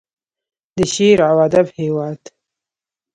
د شعر او ادب هیواد.